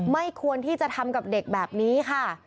ไม่ควรที่จะทำกับเด็กแบบนี้ค่ะ